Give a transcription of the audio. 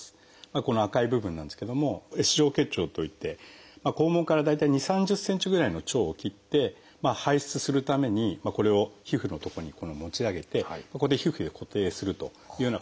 この赤い部分なんですけども「Ｓ状結腸」といって肛門から大体２０３０ｃｍぐらいの腸を切って排出するためにこれを皮膚の所に持ち上げてここで皮膚で固定するというような形です。